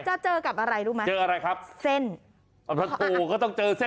จะเจอกับอะไรรู้ไหมเจออะไรครับเส้นอ๋อถ้าโถก็ต้องเจอเส้น